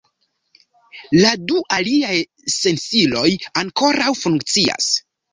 La du aliaj sensiloj ankoraŭ funkcias.